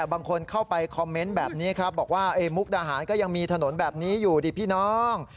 บางคนเข้าไปคอมเมนต์แบบนี้ครับบอกว่ามุกดาหารก็ยังมีถนนแบบนี้อยู่ดิพี่น้อง